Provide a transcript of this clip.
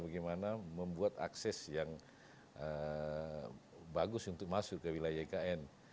bagaimana membuat akses yang bagus untuk masuk ke wilayah ikn